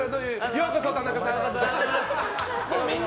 ようこそ、田中さん！